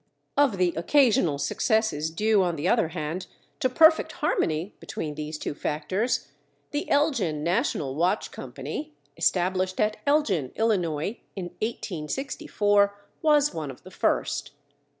Of the occasional successes due, on the other hand, to perfect harmony between these two factors, the Elgin National Watch Company, established at Elgin, Illinois, in 1864, was one of the first.